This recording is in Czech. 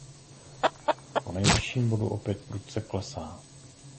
Po nejvyšším bodu opět prudce klesá.